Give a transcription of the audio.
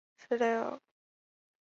积体电路